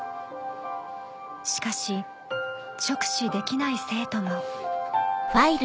しかし直視できない生徒も。